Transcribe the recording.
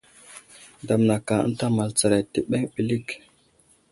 Damnaka ənta amal tsəray təbeŋ ɓəlik.